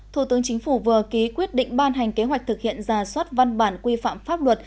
thủ tướng chính phủ vừa ký quyết định ban hành kế hoạch thực hiện giả soát văn bản quy phạm pháp luật